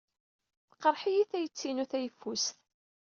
Teqreḥ-iyi tayet-inu tayeffust.